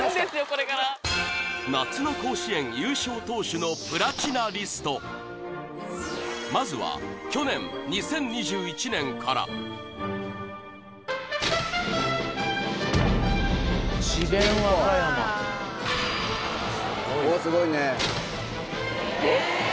これから夏の甲子園優勝投手のプラチナリストまずは去年２０２１年から智辯和歌山おおすごいねえっ！？